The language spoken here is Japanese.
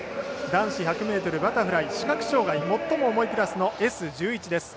男子１００ｍバタフライ視覚障がい最も重いクラスのＳ１１です。